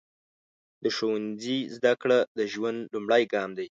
د ښوونځي زده کړه د ژوند لومړی ګام دی.